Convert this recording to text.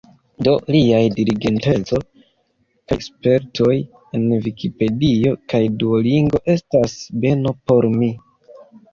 Do, liaj diligenteco kaj spertoj en Vikipedio kaj Duolingo estas beno por mi.